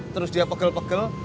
terus dia pegel pegel